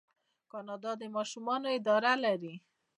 کاناډا د ماشومانو اداره لري.